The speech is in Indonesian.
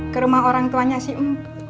ke rumah orang tuanya si em